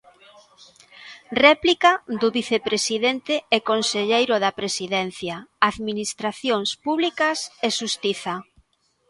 Réplica do vicepresidente e conselleiro da Presidencia, Administracións Públicas e Xustiza.